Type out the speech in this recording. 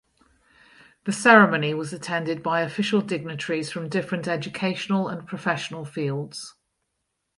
The ceremony was attended by official dignitaries from different educational and professional fields.